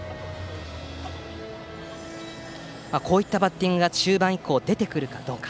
こういったバッティングが中盤以降に出てくるかどうか。